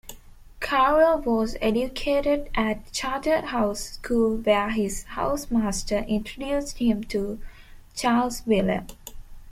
Caro was educated at Charterhouse School where his housemaster introduced him to Charles Wheeler.